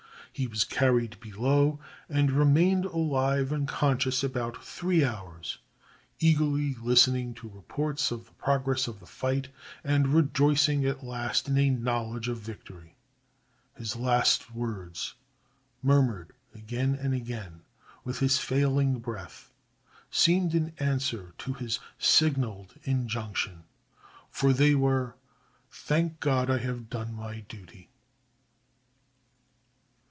He was carried below, and remained alive and conscious about three hours, eagerly listening to reports of the progress of the fight, and rejoicing at last in a knowledge of victory. His last words, murmured again and again, with his failing breath, seemed an answer to his signaled injunction, for they were: "_Thank God I have done my duty.